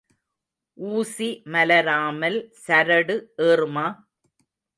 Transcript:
ஊசி மலராமல் சரடு ஏறுமா?